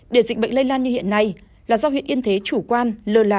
địa dịch bệnh lây lan như hiện nay là do huyện yên thế chủ quan lờ là